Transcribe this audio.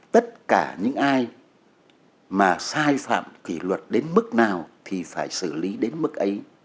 tất cả những ai mà sai phạm kỷ luật đến mức nào thì phải xử lý đến mức ấy